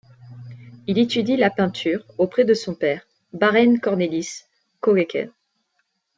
Il étudie la peinture auprès de son père Barend Cornelis Koekkoek.